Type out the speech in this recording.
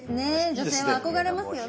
女性は憧れますよね。